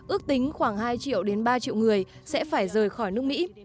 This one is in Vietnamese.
ước tính khoảng hai ba triệu người sẽ phải rời khỏi nước mỹ